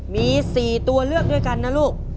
มี๔ตัวเลือกด้วยกันนะลูก